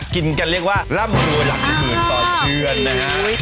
กินก็เลือกว่าร่ำปลูกหลักหมืนต่อประเผร่นนะครับ